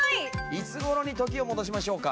いつ頃に時を戻しましょうか？